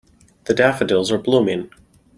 The daffodils are blooming.